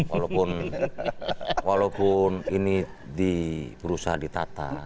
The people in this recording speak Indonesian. walaupun ini berusaha ditata